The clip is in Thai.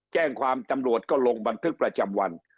แจ้งความตำรวจก็ลงบันทึกประจำวัน